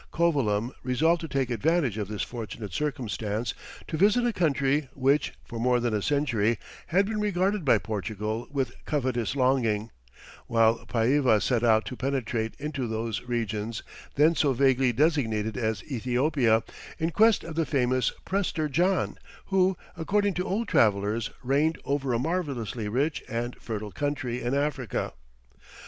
Covilham resolved to take advantage of this fortunate circumstance to visit a country which, for more than a century, had been regarded by Portugal with covetous longing, while Païva set out to penetrate into those regions then so vaguely designated as Ethiopia, in quest of the famous Prester John, who, according to old travellers, reigned over a marvellously rich and fertile country in Africa.